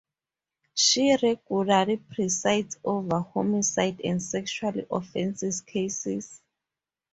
She regularly presides over homicide and sexual offences cases.